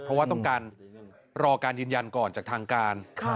เพราะว่าต้องการรอการยืนยันก่อนจากทางการ